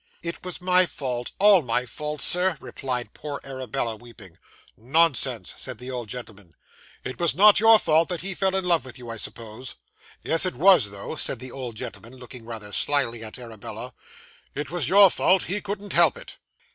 'It was my fault; all my fault, Sir,' replied poor Arabella, weeping. 'Nonsense,' said the old gentleman; 'it was not your fault that he fell in love with you, I suppose? Yes it was, though,' said the old gentleman, looking rather slily at Arabella. 'It was your fault. He couldn't help it.